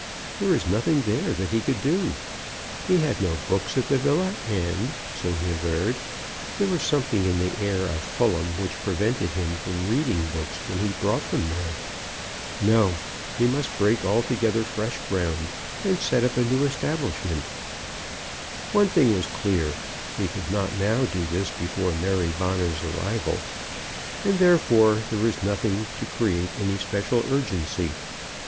There was nothing there that he could do. He had no books at the villa; and, so he averred, there was something in the air of Fulham which prevented him from reading books when he brought them there. No! He must break altogether fresh ground, and set up a new establishment. One thing was clear; he could not now do this before Mary Bonner's arrival, and therefore there was nothing to create any special urgency.